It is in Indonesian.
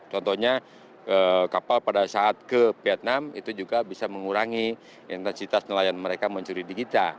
contohnya kapal pada saat ke vietnam itu juga bisa mengurangi intensitas nelayan mereka mencuri di kita